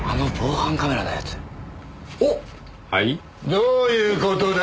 どういう事だ？